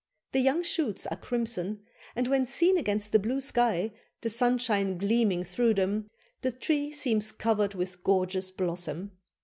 The young shoots are crimson, and when seen against the blue sky, the sunshine gleaming through them, the tree seems covered with gorgeous blossom.